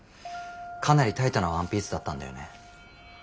かなりタイトなワンピースだったんだよね。